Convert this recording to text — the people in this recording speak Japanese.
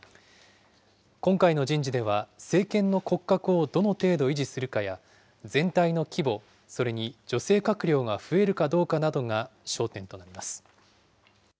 今回の人事では、政権の骨格をどの程度維持するかや、全体の規模、それに女性閣僚が増えるかどうかなどが焦点となります。